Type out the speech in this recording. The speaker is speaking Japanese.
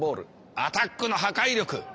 アタックの破壊力。